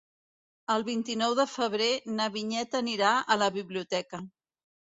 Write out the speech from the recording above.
El vint-i-nou de febrer na Vinyet anirà a la biblioteca.